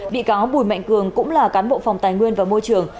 bị cáo bùi mạnh cường cũng là cán bộ phòng tài nguyên và môi trường